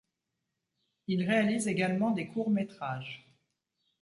Il réalise également des courts-métrages.